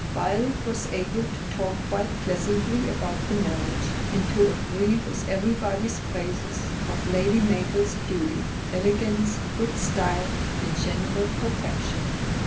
Violet was able to talk quite pleasantly about the marriage, and to agree with everybody's praises of Lady Mabel's beauty, elegance, good style, and general perfection.